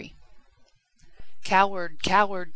"Coward! Coward!